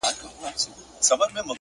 هره تېروتنه د ودې تخم لري.!